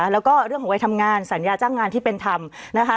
และคำถามเรื่องของวัยทำงานสัญญาจ้างงานที่เป็นทำ